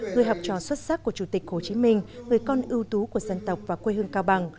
người học trò xuất sắc của chủ tịch hồ chí minh người con ưu tú của dân tộc và quê hương cao bằng